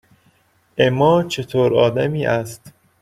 اِما چطور آدمی است؟